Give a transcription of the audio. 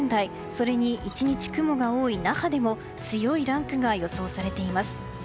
それに１日雲が多い那覇でも強いランクが予想されています。